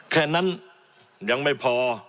แค่นั้นยังไม่พอ